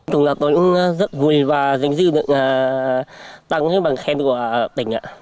thường là tôi cũng rất vui và giành dư được tăng bằng khen của tỉnh